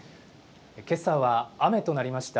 けさは雨となりました。